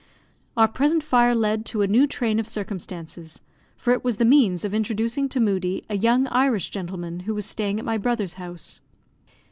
Our present fire led to a new train of circumstances, for it was the means of introducing to Moodie a young Irish gentleman, who was staying at my brother's house.